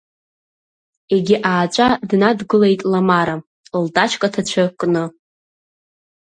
Егьи ааҵәа днадгылеит Ламара, лтачка ҭацәы кны.